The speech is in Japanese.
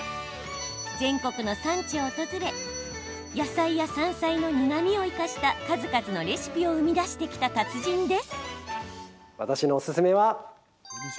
全国の産地を訪れ野菜や山菜の苦みを生かした数々のレシピを生み出してきた達人です。